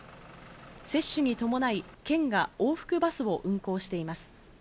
接種に伴い、県が往復バスを運行しています。